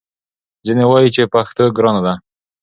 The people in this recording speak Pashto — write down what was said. ځینې وايي چې پښتو ګرانه ده